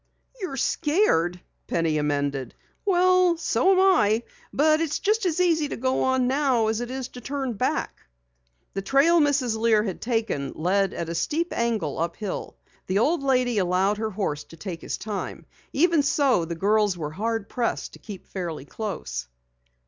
"You're scared," Penny amended. "Well, so am I. But it's just as easy to go on now as it is to turn back." The trail Mrs. Lear had taken led at a steep angle uphill. The old lady allowed her horse to take his time. Even so, the girls were hard pressed to keep fairly close.